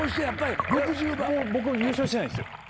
僕も優勝してないですよ。